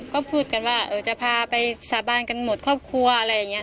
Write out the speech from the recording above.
ก็พูดกันว่าจะพาไปสาบานกันหมดครอบครัวอะไรอย่างนี้